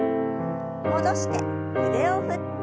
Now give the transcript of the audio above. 戻して腕を振って。